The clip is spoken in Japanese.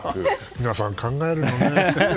皆さん、考えるんだね。